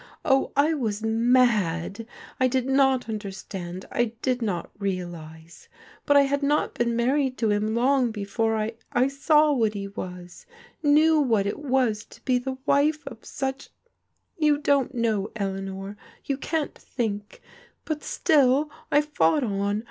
" Oh, I was mad ! I did not understand, I did not realize f But I had not been married to him long be fore I — ^I saw what he was ; knew what it was to be the wife of such You don't know, Eleanor I you — can't think! But still I fought on.